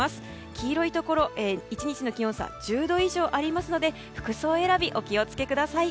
黄色いところ、１日の気温差１０度以上ありますので服装選び、お気を付けください。